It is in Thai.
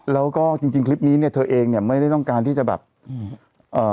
แล้วก็จริงจริงคลิปนี้เนี้ยเธอเองเนี้ยไม่ได้ต้องการที่จะแบบอืมเอ่อ